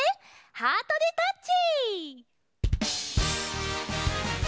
「ハートでタッチ」！